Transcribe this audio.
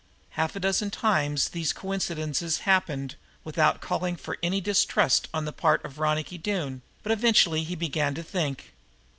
Half a dozen times these coincidences happened without calling for any distrust on the part of Ronicky Doone, but eventually he began to think.